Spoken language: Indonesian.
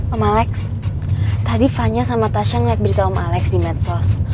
om alex tadi fanya sama tasha ngeliat berita om alex di medsos